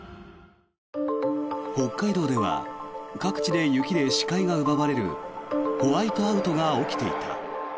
北海道では各地で雪で視界が奪われるホワイトアウトが起きていた。